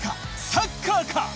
サッカーか？